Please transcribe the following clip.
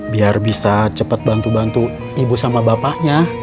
biar bisa cepat bantu bantu ibu sama bapaknya